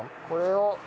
これを。